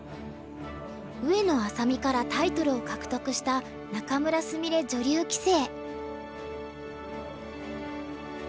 上野愛咲美からタイトルを獲得した仲邑菫女流棋聖。